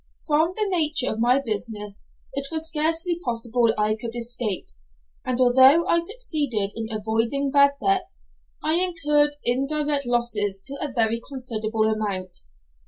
From the nature of my business it was scarcely possible I could escape, and although I succeeded in avoiding bad debts, I incurred indirect losses to a very considerable amount.